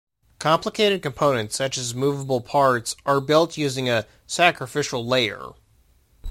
Complicated components, such as movable parts, are built using a "sacrificial layer".